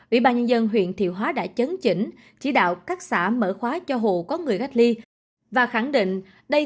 ủy ban nhân dân huyện thiều hóa đã chấn chỉnh chỉ đạo các xã mở khóa cho hồ có người cách ly